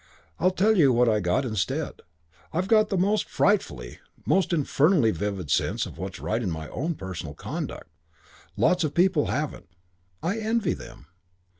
I tell you what I've got instead. I've got the most frightfully, the most infernally vivid sense of what's right in my own personal conduct. Lots of people haven't. I envy them.